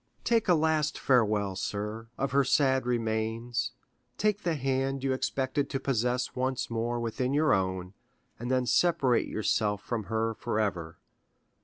Take a last farewell, sir, of her sad remains; take the hand you expected to possess once more within your own, and then separate yourself from her forever.